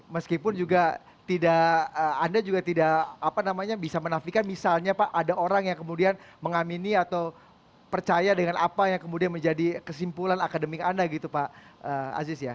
meskipun juga tidak anda juga tidak bisa menafikan misalnya pak ada orang yang kemudian mengamini atau percaya dengan apa yang kemudian menjadi kesimpulan akademik anda gitu pak aziz ya